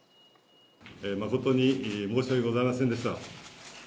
誠に申し訳ございませんでし